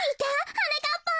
はなかっぱん。